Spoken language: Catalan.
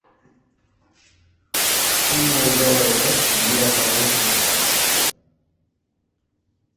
Un noi jove i ros mira a través d'una càmera.